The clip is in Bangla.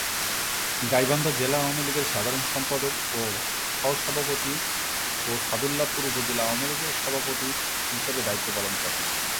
গাইবান্ধা জেলা আওয়ামী লীগের সাধারণ সম্পাদক ও সহসভাপতি ও সাদুল্লাপুর উপজেলা আওয়ামী লীগের সভাপতি হিসাবে দায়িত্ব পালন করেন।